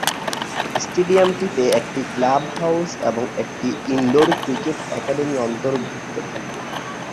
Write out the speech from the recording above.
স্টেডিয়ামটিতে একটি club house এবং একটি ইনডোর ক্রিকেট একাডেমি অন্তর্ভুক্ত থাকবে।